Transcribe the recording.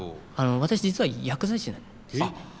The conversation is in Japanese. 私実は薬剤師なんですよね。